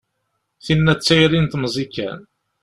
Tinna d tayri n temẓi kan.